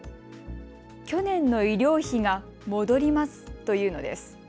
去年の医療費が戻りますというのです。